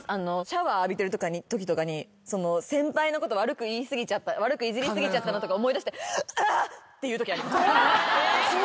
シャワー浴びてるときとかに先輩のこと悪く言い過ぎちゃった悪くいじり過ぎちゃったなとか思い出して。っていうときあります。